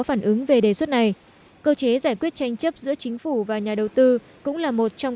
phản ứng về đề xuất này cơ chế giải quyết tranh chấp giữa chính phủ và nhà đầu tư cũng là một trong